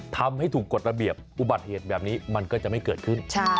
ทำให้ถูกกฎระเบียบอุบัติเหตุแบบนี้มันก็จะไม่เกิดขึ้น